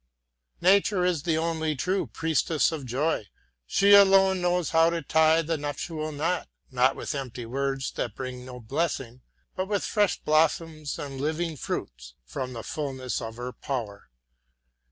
Nature is the only true priestess of joy; she alone knows how to tie the nuptial knot, not with empty words that bring no blessing, but with fresh blossoms and living fruits from the fullness of her power.